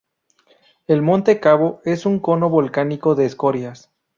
El monte Cavo es un cono volcánico de escorias.